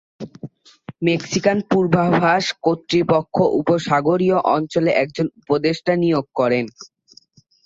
Mexican পূর্বাভাস কর্তৃপক্ষ উপসাগরীয় অঞ্চলে একজন উপদেষ্টা নিয়োগ করেন।